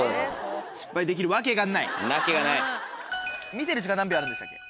見てる時間何秒あるんでしたっけ。